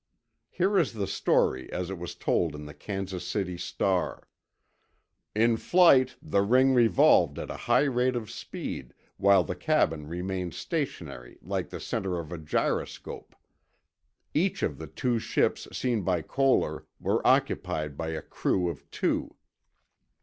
Here is the story as it was told in the Kansas City Star: In flight, the ring revolved at a high rate of speed, while the cabin remained stationary like the center of a gyroscope. Each of the two ships seen by Koehler were occupied by a crew of two.